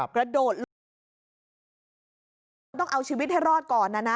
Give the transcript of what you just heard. กระโดดลงจากรถต้องเอาชีวิตให้รอดก่อนนะนะ